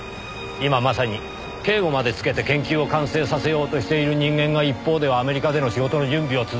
今まさに警護までつけて研究を完成させようとしている人間が一方ではアメリカでの仕事の準備を続けている。